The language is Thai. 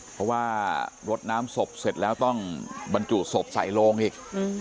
เพราะว่ารดน้ำศพเสร็จแล้วต้องบรรจุศพใส่โลงอีก